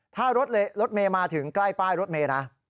ถ้ารถเมย์มาถึงใกล้ป้ายรถเมย์นะ